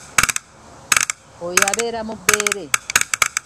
Oyo abeera mubbeere.